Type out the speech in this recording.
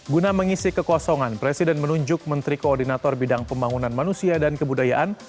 guna mengisi kekosongan presiden menunjuk menteri koordinator bidang pembangunan manusia dan kebudayaan